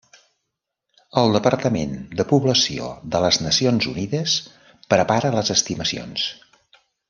El Departament de Població de les Nacions Unides prepara les estimacions.